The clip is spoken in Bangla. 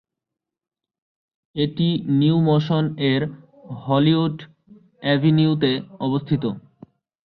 এটি নিউ মোশন এর হলিউড এভিনিউতে অবস্থিত।